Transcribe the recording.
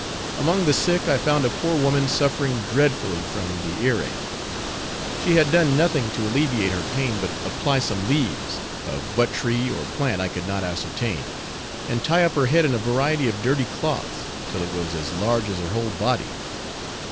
Among the sick I found a poor woman suffering dreadfully from the ear ache. She had done nothing to alleviate her pain but apply some leaves, of what tree or plant I could not ascertain, and tie up her head in a variety of dirty cloths, till it was as large as her whole body.